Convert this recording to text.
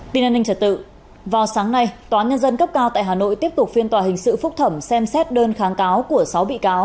tin an ninh trật tự vào sáng nay tòa án nhân dân cấp cao tại hà nội tiếp tục phiên tòa hình sự phúc thẩm xem xét đơn kháng cáo của sáu bị cáo